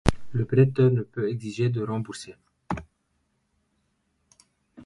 Le prêteur ne peut exiger de remboursement.